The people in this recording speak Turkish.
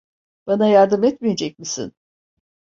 Bana yardım etmeyecek misin?